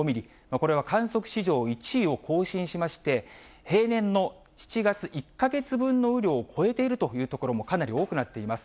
これは観測史上１位を更新しまして、平年の７月１か月分の雨量を超えているという所も、かなり多くなっています。